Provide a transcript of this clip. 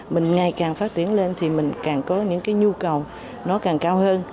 mình ngày càng phát triển lên thì mình càng có những cái nhu cầu nó càng cao hơn